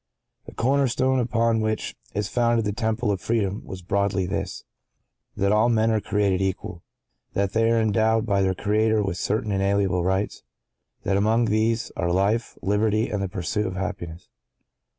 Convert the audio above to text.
The corner stone upon which is founded the Temple of Freedom was broadly this—that all men are created equal; that they are endowed by their Creator with certain inalienable rights; that among these are life, liberty, and the pursuit of happiness.